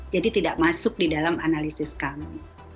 jadi tidak masuk di dalam analisis kami